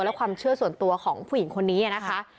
และความเชื่อส่วนตัวของผู้หญิงคนนี้นะคะ